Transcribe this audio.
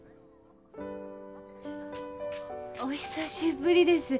お久しぶりです。